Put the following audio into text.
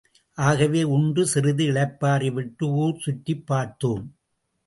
ஆகவே, உண்டு, சிறிது இளைப்பாறி விட்டு, ஊர் கற்றிப் பார்த்தோம்.